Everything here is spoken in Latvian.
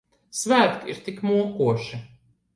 Svētki ir tik mokoši.